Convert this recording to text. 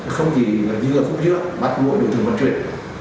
không chỉ là dưa khúc dưỡng bắt nguội đối tượng vận chuyển